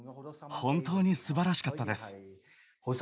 本当にすばらしかったです。